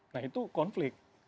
nah itu konflik